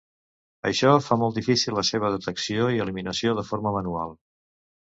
Això fa molt difícil la seva detecció i eliminació de forma manual.